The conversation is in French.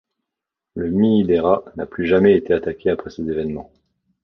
Le Mii-dera n'a plus jamais été attaqué après ces événements.